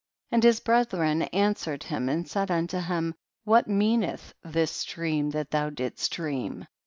11. And his brethren answered him and said unto him, what mean eth this dream that thou didst dream